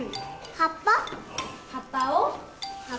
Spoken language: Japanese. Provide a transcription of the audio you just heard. ・はっぱを？